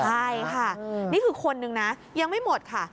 ใช่ค่ะนี่คือคนนึงนะยังไม่หมดค่ะ